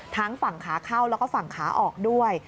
ทั้งฝั่งขาเข้าแล้วก็ฝั่งขาออกด้วย